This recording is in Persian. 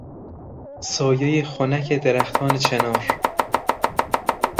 سایهی خنک درختان چنار